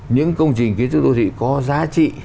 những công trình kiến trúc đô thị có giá trị